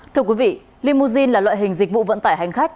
thưa quý vị limousine là loại hình dịch vụ vận tải hành khách